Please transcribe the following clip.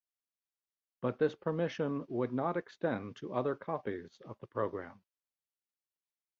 But this permission would not extend to other copies of the program.